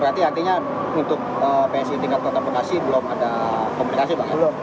berarti artinya untuk psi tingkat kota bekasi belum ada komunikasi pak ya